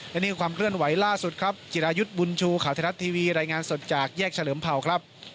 และนี่คือความเคลื่อนไหวล่าสุดครับจิรายุทธ์บุญชูข่าวไทยรัฐทีวีรายงานสดจากแยกเฉลิมเผ่าครับ